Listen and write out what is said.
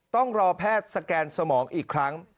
ต้องรอแพทย์สแกนสมองอีกครั้ง